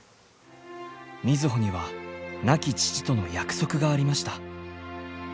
瑞穂には亡き父との約束がありました。